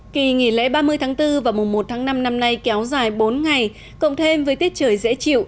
kỳ nghỉ lễ ba mươi tháng bốn và mùa một tháng năm năm nay kéo dài bốn ngày cộng thêm với tiết trời dễ chịu